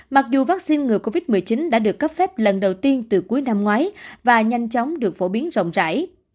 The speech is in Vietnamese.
mặc dù vaccine ngừa covid một mươi chín đã được cấp phép lần đầu tiên từ cuối năm ngoái và nhanh chóng được phổ biến rộng rãi